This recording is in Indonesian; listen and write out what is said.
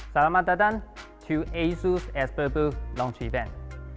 selamat datang di asus expertbook launch event